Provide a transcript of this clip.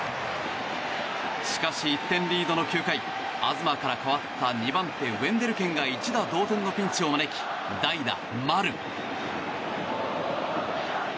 しかし１点リードの９回東から代わった２番手ウェンデルケンが一打同点のピンチを招き代打、丸。